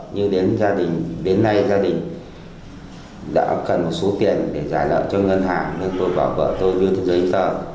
nhưng đến nay gia đình đã cần một số tiền để giải lợi cho ngân hàng nên tôi bảo vợ tôi đưa giấy tờ